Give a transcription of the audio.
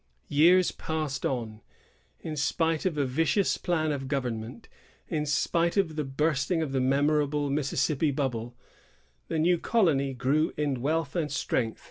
Years passed on. In spite of a vicious plan of government, in spite of the bursting of the memorable Mississippi bubble, the new colony grew in wealth and strength.